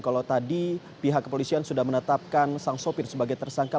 kalau tadi pihak kepolisian sudah menetapkan sang sopir sebagai tersangka